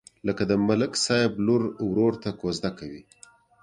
لکه د ملک صاحب لور ورور ته کوزده کوي.